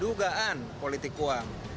dugaan politik uang